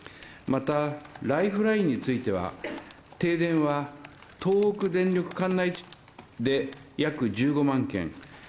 また、ライフラインについては、停電は、東北電力管内で約１５万件。